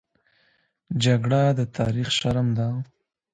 جګړه د تاریخ شرم ده